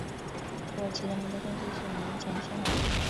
土耳其人名的顺序是名前姓后。